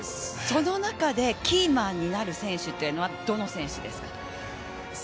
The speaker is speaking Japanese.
その中でキーマンになる選手はどの選手ですか。